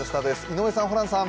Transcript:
井上さん、ホランさん。